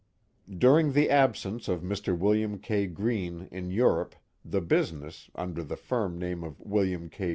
During the absence of Mr. William K. Greene in Europe the business, under the firm name of William K.